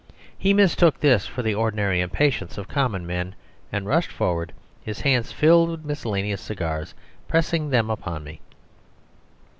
He mistook this for the ordinary impatience of common men, and rushed forward, his hands filled with miscellaneous cigars, pressing them upon me.